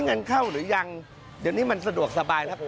เงินเข้าหรือยังเดี๋ยวนี้มันสะดวกสบายแล้วผม